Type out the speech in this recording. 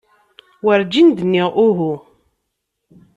Werǧin d-nniɣ uhu.